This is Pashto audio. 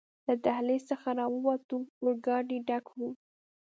له دهلېز څخه راووتو، اورګاډی ډک و.